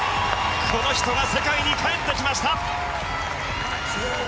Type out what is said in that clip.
この人が世界に帰ってきました！